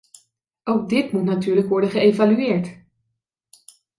Ook dit moet natuurlijk worden geëvalueerd.